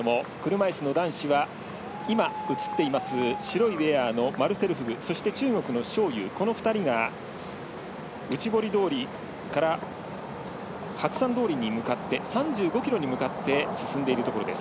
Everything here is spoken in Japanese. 車いすの男子は白いウエアのマルセル・フグそして、中国の章勇、この２人が内堀通りから白山通りに向かって３５ｋｍに向かって進んでいるところです。